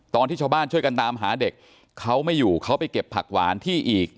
ตอนที่ชาวบ้านช่วยกันตามหาเด็กเขาไม่อยู่เขาไปเก็บผักหวานที่อีก